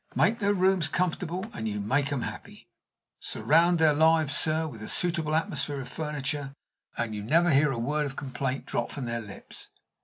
Make their rooms comfortable, and you make 'em happy. Surround their lives, sir, with a suitable atmosphere of furniture, and you never hear a word of complaint drop from their lips.